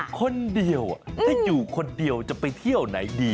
คนเดียวถ้าอยู่คนเดียวจะไปเที่ยวไหนดี